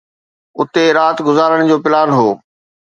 اتي رات گذارڻ جو پلان هو.